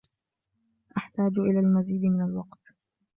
أحتاج إلى المزيد من الوقت.